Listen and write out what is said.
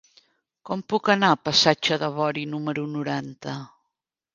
Com puc anar al passatge de Bori número noranta?